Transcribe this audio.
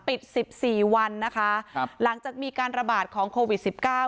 ปิด๑๔วันนะคะหลังจากมีการระบาดของโควิด๑๙